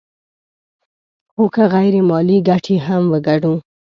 خو که غیر مالي ګټې هم وګڼو